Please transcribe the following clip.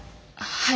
はい。